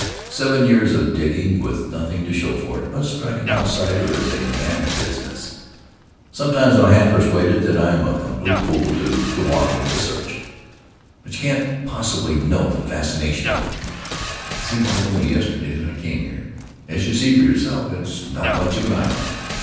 Seven years of digging, with nothing to show for it, must strike an outsider as a mad business. Some times I'm half persuaded that I am a complete fool to go on with the search. But you can't possibly know the fascination of it. It seems only yesterday that I came here. As you see for yourself, it's not much of an island.